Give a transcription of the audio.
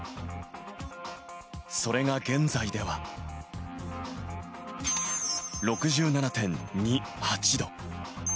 それが現在では６７．２８度。